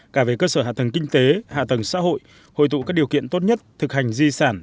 cả về cơ sở hạ tầng kinh tế hạ tầng xã hội hội tụ các điều kiện tốt nhất thực hành di sản